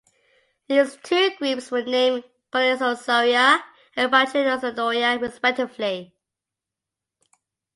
These two groups were named Coelurosauria and Pachypodosauria respectively.